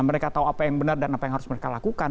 mereka tahu apa yang benar dan apa yang harus mereka lakukan